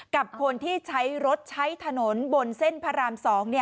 กับคนที่ใช้รถใช้ถนนบนเส้นพระราม๒